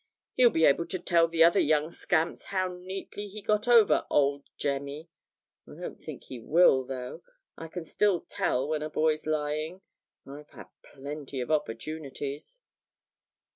He'll be able to tell the other young scamps how neatly he got over "old Jemmy." I don't think he will, though. I can still tell when a boy's lying I've had plenty of opportunities.'